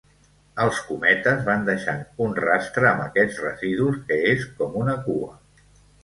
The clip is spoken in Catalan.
Els cometes van deixant un rastre amb aquests residus, que és com una cua.